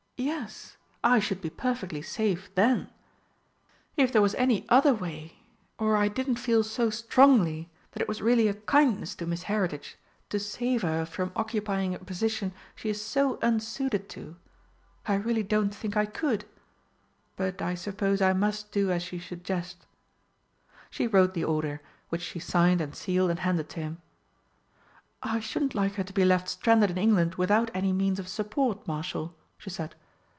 "Yes, I should be perfectly safe then. If there was any other way, or I didn't feel so strongly that it was really a kindness to Miss Heritage to save her from occupying a position she is so unsuited to, I really don't think I could. But I suppose I must do as you suggest." She wrote the order, which she signed and sealed and handed to him. "I shouldn't like her to be left stranded in England without any means of support, Marshal," she said.